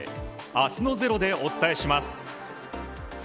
明日の「ｚｅｒｏ」でお伝えします。